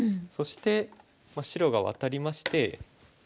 そして白がワタりまして。